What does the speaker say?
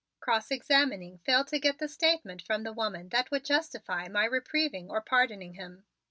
Cross examining failed to get the statement from the woman that would justify my reprieving or pardoning him.